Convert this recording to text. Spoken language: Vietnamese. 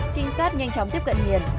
trinh sát nhanh chóng tiếp cận hiền